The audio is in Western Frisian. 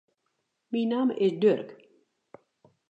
Myn namme is Durk.